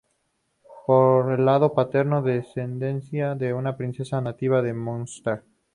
Por lado paterno descendía de una princesa nativa de Munster.